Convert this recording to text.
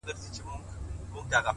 وخت د غفلت حساب اخلي،